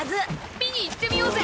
見に行ってみようぜ！